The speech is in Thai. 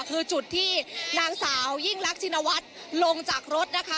คือจุดที่นางสาวยิ่งรักชินวัฒน์ลงจากรถนะคะ